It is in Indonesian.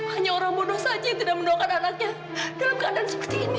hanya orang bodoh saja yang tidak mendoakan anaknya dalam keadaan seperti ini